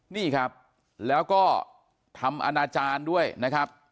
นี่ครับแล้วก็ทำอนาจารย์ด้วยนะครับ